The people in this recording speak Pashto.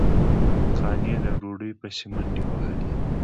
قانع د ډوډۍ پسې منډې وهلې.